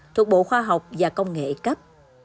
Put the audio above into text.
thuộc bộ khoa học và công nghệ cấp